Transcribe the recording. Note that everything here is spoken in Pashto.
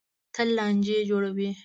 تل لانجې جوړوي.